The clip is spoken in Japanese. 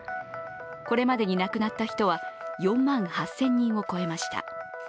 これまでに亡くなった人は４万８０００人を超えました。